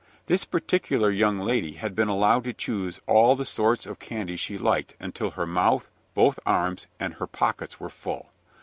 This particular young lady had been allowed to choose all the sorts of candy she liked until her mouth, both arms, and her pockets were full.